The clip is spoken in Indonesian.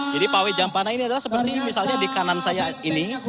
jadi pawai jampana ini adalah seperti misalnya di kanan saya ini